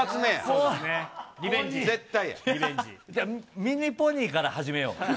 ミニポニーから始めよう。